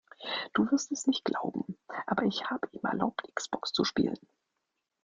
Du wirst es nicht glauben, aber ich habe ihm erlaubt, X-Box zu spielen.